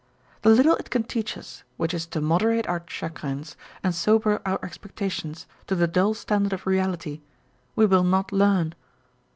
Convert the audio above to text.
The little it can teach us, which is to moderate our chagrins and sober our expecta tions to the dull standard of reality, we will not learn.